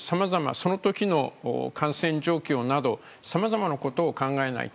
その時の感染状況などさまざまなことを考えないと。